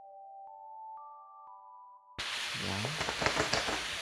Governor Robert Treat had no choice but to convene the assembly.